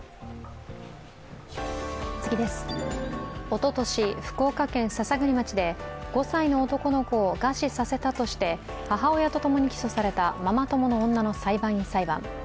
おととし、福岡県篠栗町で５歳の男の子を餓死させたとして母親とともに起訴されたママ友の女の裁判員裁判。